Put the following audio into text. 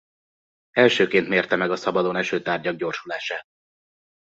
Elsőként mérte meg a szabadon eső tárgyak gyorsulását.